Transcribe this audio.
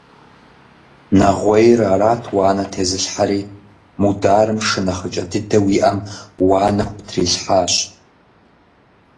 Нэгъуейр арат уанэ тезылъхьэри, Мударым шы нэхъыкӀэ дыдэу иӀэм уанэ хутрилъхьащ.